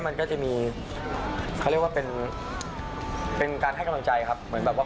เราก็จะไม่มีทางรู้ว่ามันจะเป็นเป็นไปได้หรือเปล่า